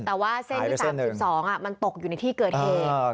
แต่ว่าเส้นที่๓๒มันตกอยู่ในที่เกิดเหตุ